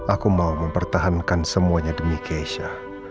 aku mau mempertahankan semuanya demi keisha